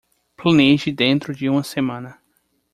Planeje dentro de uma semana